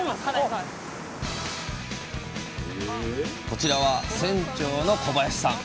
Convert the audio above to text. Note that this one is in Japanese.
こちらは船長の小林さん。